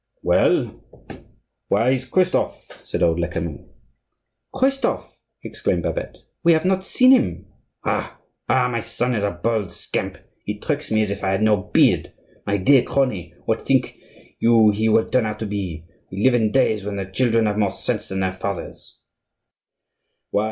"Well, where is Christophe?" said old Lecamus. "Christophe!" exclaimed Babette. "We have not seen him." "Ha! ha! my son is a bold scamp! He tricks me as if I had no beard. My dear crony, what think you he will turn out to be? We live in days when the children have more sense than their fathers."